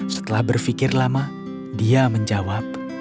setelah berpikir lama dia menjawab